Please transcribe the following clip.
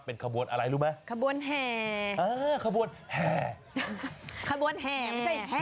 เป็นขบวนอะไรรู้ไหม